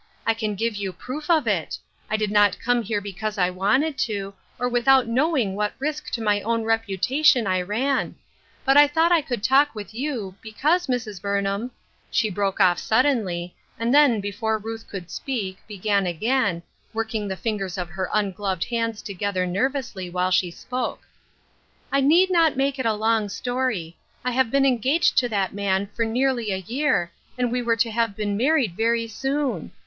I can give you proof of it ; I did not come here because I wanted to, or without know ing what risk to my own reputation I ran ; but I thought I could talk with you, because, Mrs. A TROUBLESOME "YOUNG PERSOx\." 169 Burnham —" She broke off suddenly, and then, before Ruth could speak, began again, working the fingers of her ungloved hands together nervously while she spoke :" I need not make it a long story ; I have been engaged to that man for nearly a year, and we were to have been married very soon.